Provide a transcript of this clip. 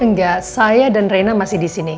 engga saya dan rena masih disini